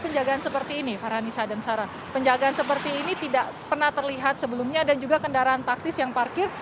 penjagaan seperti ini farhanisa dan sarah penjagaan seperti ini tidak pernah terlihat sebelumnya dan juga kendaraan taktis yang parkir